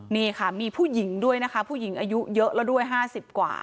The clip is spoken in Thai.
นี่ค่ะมีผู้หญิงด้วยนะคะผู้หญิงอายุเยอะแล้วด้วย๕๐กว่า